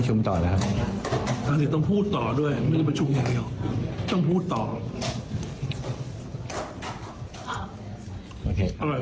อร่อยมาก